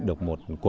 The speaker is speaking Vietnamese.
à và cánh cửa